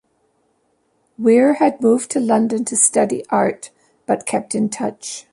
Weir had moved to London to study art, but kept in touch.